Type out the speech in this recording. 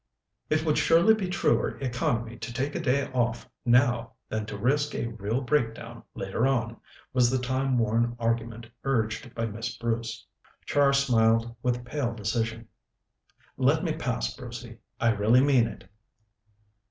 "It would surely be truer economy to take a day off now than to risk a real breakdown later on," was the time worn argument urged by Miss Bruce. Char smiled with pale decision. "Let me pass, Brucey. I really mean it."